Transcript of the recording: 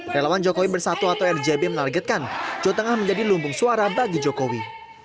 relawan jokowi bersatu atau rjb menargetkan jawa tengah menjadi lumbung suara bagi jokowi